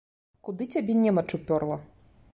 Куды цябе немач уперла?